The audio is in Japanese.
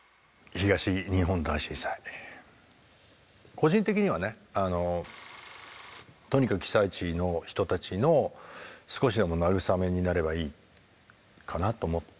個人的にはねとにかく被災地の人たちの少しでも慰めになればいいかなと思って。